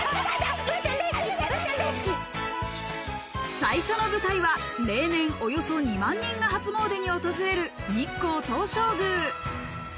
最初の舞台は例年およそ２万人が初詣に訪れる日光東照宮。